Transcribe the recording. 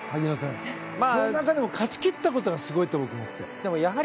その中でも勝ち切ったことがすごいと思って。